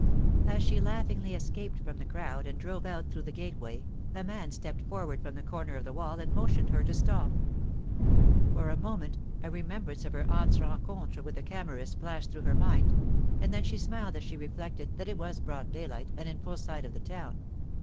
As she laughingly escaped from the crowd and drove out through the gateway a man stepped forward from the corner of the wall and motioned her to stop. For a moment a remembrance of her aunt's rencontre with the Camorrist flashed through her mind, and then she smiled as she reflected that it was broad daylight and in full sight of the town.